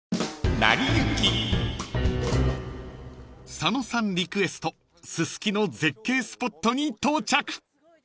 ［佐野さんリクエストススキの絶景スポットに到着］